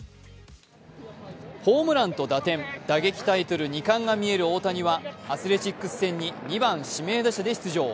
ホームランと打点、打撃タイトル２冠が見える大谷はアスレチックス戦に２番・指名打者で出場。